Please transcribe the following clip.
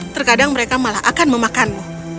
terkadang mereka malah akan memakanmu